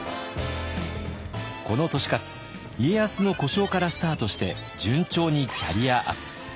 この利勝家康の小姓からスタートして順調にキャリアアップ。